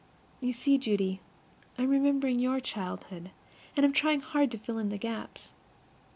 You see, Judy, I am remembering your own childhood, and am trying hard to fill in the gaps.